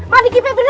mandiki peh bener loh